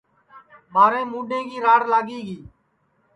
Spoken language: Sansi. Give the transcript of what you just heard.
ٻاریں مُڈَیں کی راڑ لاگی گی